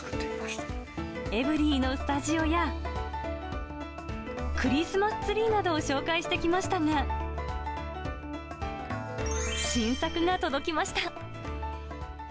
エブリィのスタジオや、クリスマスツリーなどを紹介してきましたが、新作が届きました。